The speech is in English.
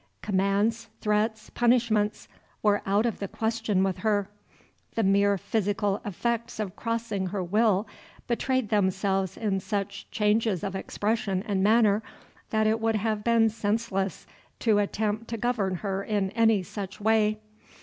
Commands, threats, punishments, were out of the question with her; the mere physical effects of crossing her will betrayed themselves in such changes of expression and manner that it would have been senseless to attempt to govern her in any such way.